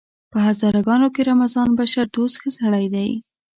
په هزاره ګانو کې رمضان بشردوست ښه سړی دی!